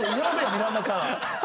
ミランダ・カーは。